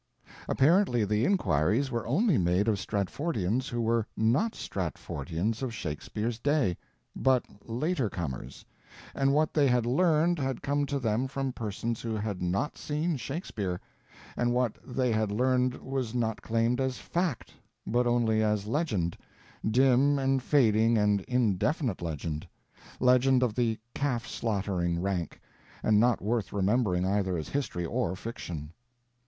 Apparently the inquires were only made of Stratfordians who were not Stratfordians of Shakespeare's day, but later comers; and what they had learned had come to them from persons who had not seen Shakespeare; and what they had learned was not claimed as fact, but only as legend—dim and fading and indefinite legend; legend of the calf slaughtering rank, and not worth remembering either as history or fiction.